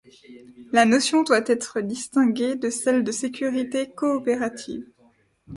La notion doit être distinguée de celle de sécurité coopérative.